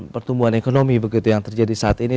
pertumbuhan ekonomi begitu yang terjadi saat ini